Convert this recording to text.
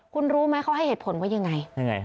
คุณรู้ไหมเขาให้เหตุผลว่ายังไง